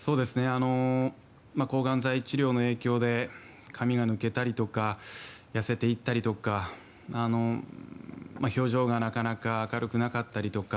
抗がん剤治療の影響で髪が抜けたりとか痩せていったりとか表情がなかなか明るくなかったりとか。